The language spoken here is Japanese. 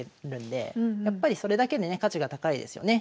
やっぱりそれだけでね価値が高いですよね。